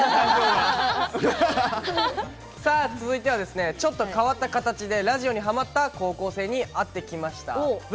続いてはちょっと変わった形でラジオにハマった高校生に会ってきました。